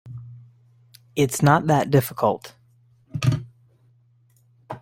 It's not that difficult.